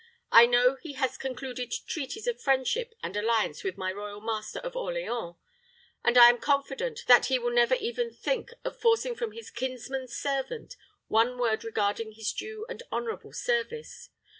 I know he has concluded treaties of friendship and alliance with my royal master of Orleans, and I am confident that he will never even think of forcing from his kinsman's servant one word regarding his due and honorable service.